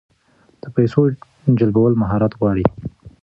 د پیسو جلبول مهارت غواړي.